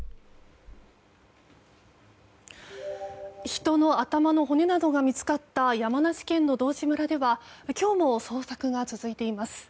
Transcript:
人の頭の骨などが見つかった山梨県の道志村では今日も捜索が続いています。